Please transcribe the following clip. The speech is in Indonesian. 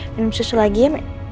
minum susu lagi ya